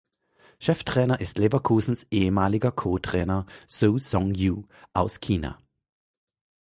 Cheftrainer ist Leverkusens ehemaliger Co-Trainer Zhou Zhong Yu aus China.